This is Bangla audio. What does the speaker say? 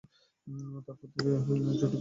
তার পর থেকে ঝুঁটোপুটি চলল।